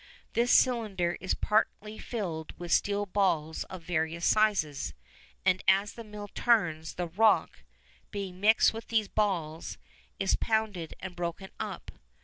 This cylinder is partly filled with steel balls of various sizes, and as the mill turns, the rock, being mixed with these balls, is pounded and broken up.